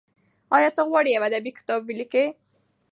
ایا ته غواړې یو ادبي کتاب ولیکې؟